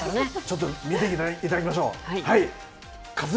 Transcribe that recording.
ちょっと見ていただきましょう。